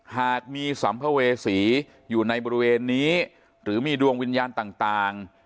หากมีสัมภเวษีอยู่ในบริเวณนี้หรือมีดวงวิญญาณต่าง